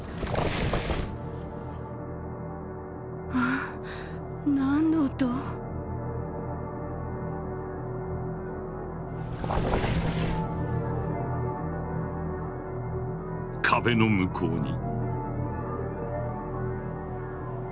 あっ何の音？壁の向こうに。